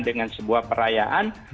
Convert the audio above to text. dengan sebuah perayaan